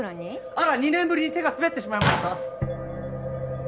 あら２年ぶりに手が滑ってしまいました。